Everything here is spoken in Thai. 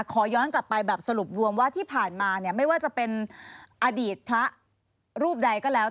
ขอย้อนกลับไปแบบสรุปรวมว่าที่ผ่านมาเนี่ยไม่ว่าจะเป็นอดีตพระรูปใดก็แล้ว